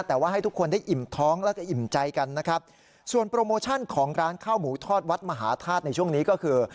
แต่ว่าให้ทุกคนได้อิ่มท้องแล้วก็อิ่มใจกันนะครับส่วนโปรโมชั่นของร้านข้าวหมูทอดวัดมหาธาตุในช่วงนี้ก็คือ